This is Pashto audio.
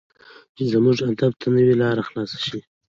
چې زموږ ادب ته نوې لار خلاصه شي.